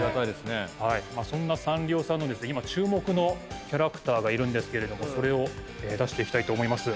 サンリオさんの今注目のキャラクターがいるんですけれどもそれを出していきたいと思います